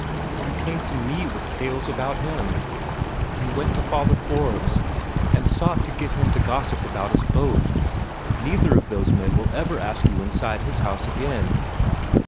You came to me with tales about him. You went to Father Forbes, and sought to get him to gossip about us both. Neither of those men will ever ask you inside his house again.